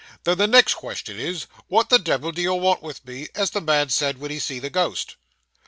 Then the next question is, what the devil do you want with me, as the man said, wen he see the ghost?